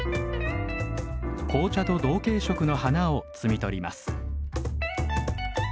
紅茶と同系色の花を摘み取ります。